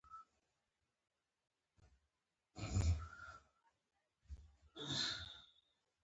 داوینچي او میکل آنژ مهم هنرمندان دي.